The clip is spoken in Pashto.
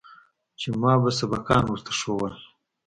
چې ما به سبقان ورته ښوول.